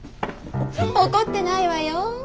怒ってないわよ。